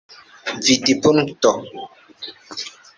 vidpunkto